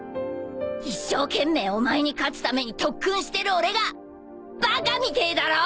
一生懸命お前に勝つために特訓してる俺がバカみてえだろ！